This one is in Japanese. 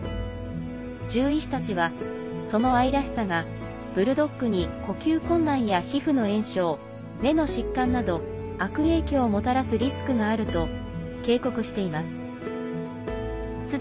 獣医師たちは、その愛らしさがブルドッグに呼吸困難や皮膚の炎症、目の疾患など悪影響をもたらすリスクがあると警告しています。